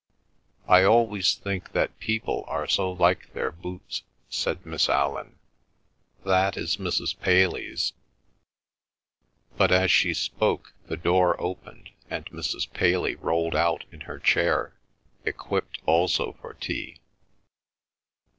"I always think that people are so like their boots," said Miss Allan. "That is Mrs. Paley's—" but as she spoke the door opened, and Mrs. Paley rolled out in her chair, equipped also for tea.